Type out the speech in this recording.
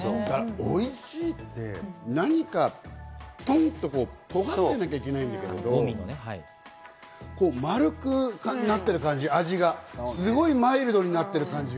おいしいって何かポンっと尖ってなきゃいけないけど、丸くなっている感じ、味がマイルドになっている感じ。